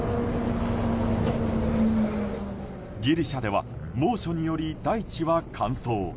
ギリシャでは猛暑により大地は乾燥。